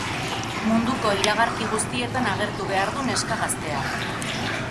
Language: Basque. Munduko iragarki guztietan agertu behar du neska gazteak.